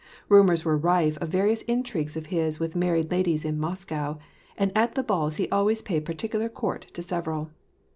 Rumors were rife of various intrigues of his with married ladies in Moscow, and at the balls he always paid particular court to several.